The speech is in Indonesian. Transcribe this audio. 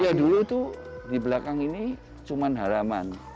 ya dulu tuh di belakang ini cuma halaman